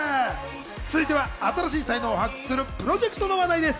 続いては新しい才能を発掘するプロジェクトの話題です。